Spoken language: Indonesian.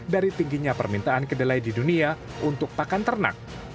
dari tingginya permintaan kedelai di dunia untuk pakan ternak